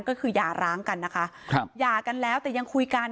ก็คืออย่าร้างกันนะคะครับหย่ากันแล้วแต่ยังคุยกัน